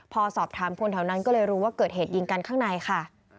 พอสอบถามคนแถวนั้นก็เลยรู้ว่าเกิดเหตุยิงกันข้างในค่ะ